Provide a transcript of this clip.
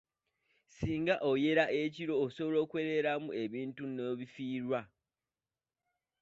Singa oyera ekiro osobola okwereramu ebintu n'obifiirwa.